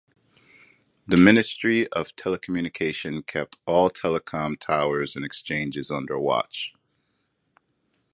The Ministry of Telecommunication kept all telecom towers and exchanges under watch.